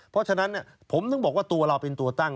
เพราะฉะนั้นผมถึงบอกว่าตัวเราเป็นตัวตั้ง